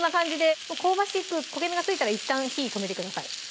香ばしく焦げ目がついたらいったん火止めてください